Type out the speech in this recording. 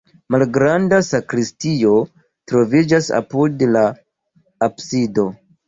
Malgranda sakristio troviĝas apud la absido.